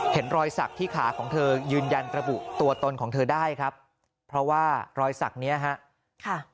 เห็นรอยสักที่ขาของเธอยืนยันระบุตัวตนของเธอได้ครับเพราะว่ารอยสักเนี้ยฮะค่ะ